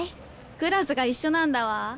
クラスが一緒なんだわ。